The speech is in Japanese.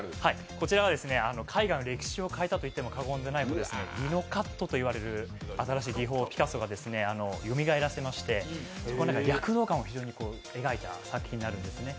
こちらは絵画の歴史を変えたと言っても過言ではない新しい技法をピカソがよみがえらせまして躍動感を非常に描いた作品なんですね。